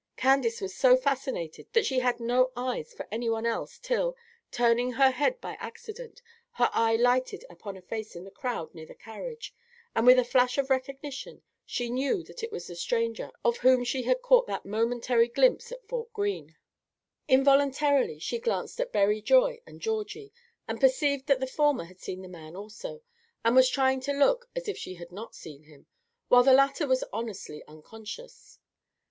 Candace was so fascinated that she had no eyes for any one else till, turning her head by accident, her eye lighted upon a face in the crowd near the carriage; and with a flash of recognition she knew that it was the stranger of whom she had caught that momentary glimpse at Fort Greene. Involuntarily she glanced at Berry Joy and Georgie, and perceived that the former had seen the man also and was trying to look as if she had not seen him, while the latter was honestly unconscious.